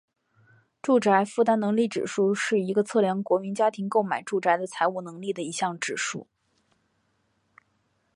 住宅负担能力指数是一个测量国民家庭购买住宅的财务能力的一项指数。